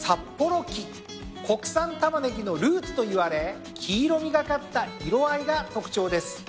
国産タマネギのルーツといわれ黄色みがかった色合いが特徴です。